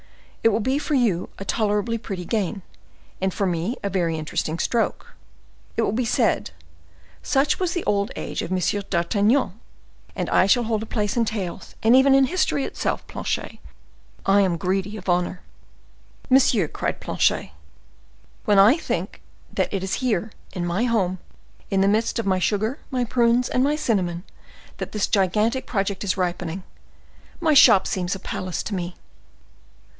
It will be for you a tolerably pretty gain, and for me a very interesting stroke. It will be said, 'Such was the old age of M. d'Artagnan,' and I shall hold a place in tales and even in history itself, Planchet. I am greedy of honor." "Monsieur," cried Planchet, "when I think that it is here, in my home, in the midst of my sugar, my prunes, and my cinnamon, that this gigantic project is ripened, my shop seems a palace to me."